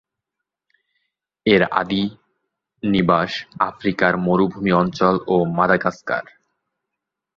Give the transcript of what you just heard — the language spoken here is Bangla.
এর আদি নিবাস আফ্রিকার মরুভূমি অঞ্চল ও মাদাগাস্কার।